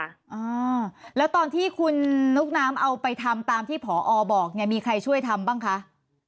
อ่าแล้วตอนที่คุณนุ๊กน้ำเอาไปทำตามที่ผอบอกเนี่ยมีใครช่วยทำบ้างคะ